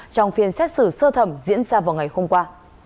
trong phiên xét xử sơ thẩm diễn ra vào ngày hôm qua